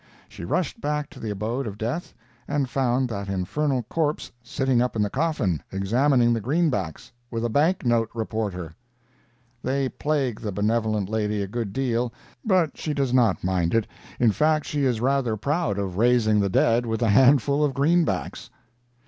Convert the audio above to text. She rushed back to the abode of death, and found that infernal corpse sitting up in the coffin, examining the greenbacks with a Bank Note Reporter! They plague the benevolent lady a good deal, but she does not mind it. In fact, she is rather proud of raising the dead with a handful of greenbacks.